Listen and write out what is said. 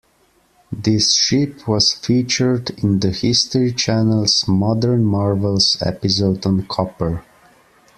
This ship was featured in the History Channel's "Modern Marvels" episode on copper.